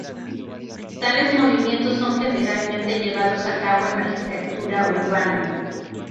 Tales movimientos son generalmente llevados a cabo en la arquitectura urbana.